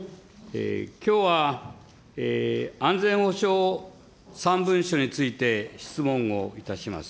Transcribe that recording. きょうは、安全保障３文書について質問をいたします。